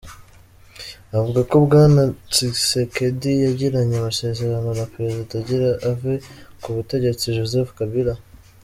Avuga ko Bwana Tshisekedi yagiranye amasezerano na Perezida agira ave ku butegetsi Joseph Kabila.